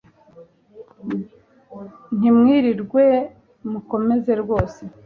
ntimwirirwe mukomeza ryose."